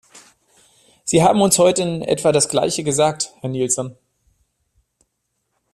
Sie haben uns heute in etwa das Gleiche gesagt, Herr Nielson.